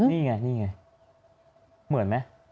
นี่ไงเหมือนมั้ย